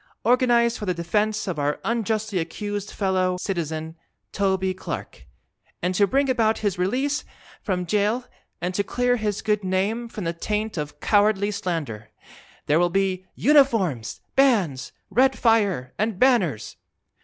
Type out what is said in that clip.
Organized for the Defense of our Unjustly Accused Fellow Citizen, Toby Clark! And to Bring About his Release from Jail and to Clear his Good Name from the Taint of Cowardly Slander! There will be UNIFORMS! BANDS! RED FIRE! and BANNERS!